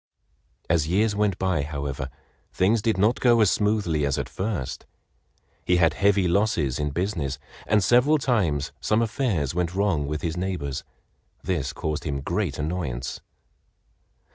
As years went by, however, things did not go as smoothly as at first. He had heavy losses in business, and several times some affairs went wrong with his neighbors. This caused him great annoyance.